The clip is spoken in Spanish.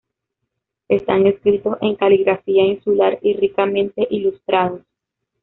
Están escritos en caligrafía insular y ricamente ilustrados.